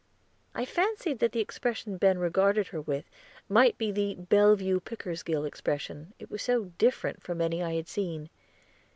I fancied that the expression Ben regarded her with might be the Bellevue Pickersgill expression, it was so different from any I had seen.